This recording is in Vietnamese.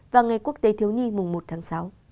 và ngày quốc tế thiếu nhi mùng một tháng sáu